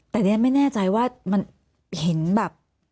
แต่ไม่แน่ใจว่ามันเห็นแบบ